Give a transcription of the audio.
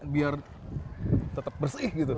biar tetap bersih gitu